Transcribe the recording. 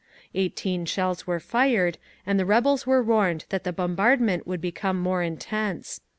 Eighteen shells were fired, and the rebels were warned that the bombardment would become more intense.